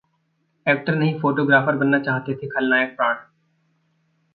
actor नहीं photographer बनना चाहते थे खलनायक प्राण